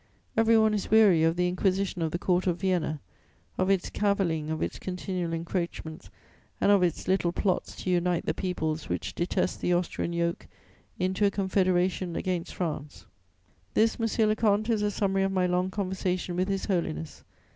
Every one is weary of the inquisition of the Court of Vienna, of its cavilling, of its continual encroachments and of its little plots to unite the peoples which detest the Austrian yoke into a confederation against France. "This, monsieur le comte, is a summary of my long conversation with His Holiness.